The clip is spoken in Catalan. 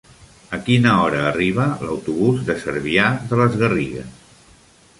A quina hora arriba l'autobús de Cervià de les Garrigues?